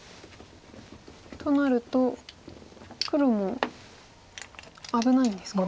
となると黒も危ないんですか？